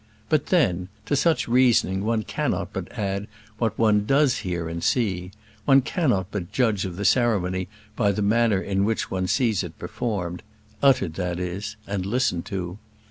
But then, to such reasoning one cannot but add what one does hear and see; one cannot but judge of the ceremony by the manner in which one sees it performed uttered, that is and listened to.